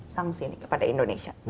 sangsi ini kepada indonesia